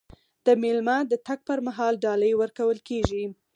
د میلمه د تګ پر مهال ډالۍ ورکول کیږي.